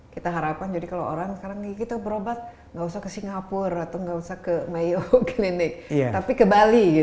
kita harapkan jadi kalau orang sekarang kita berobat tidak usah ke singapura atau tidak usah ke mayo clinic tapi ke bali